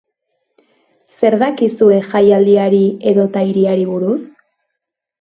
Zer dakizue jaialdiari edota hiriari buruz?